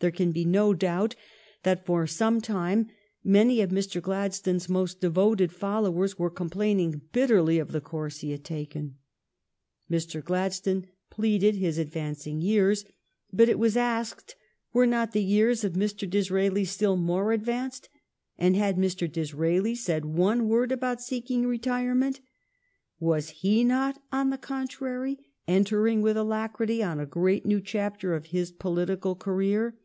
There can be no doubt that for some time many of Mr. Gladstone's most devoted followers were complain ing bitterly of the course he had taken. Mr. Glad stone pleaded his advancing years; but, it was asked, were not the years of Mr. Disraeli still more advanced, and had Mr. Disraeli said one word about seeking retirement? was he not, on the contrary, entering with alacrity on a great new chapter of his political career